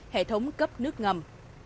hệ thống cấp nước ngầm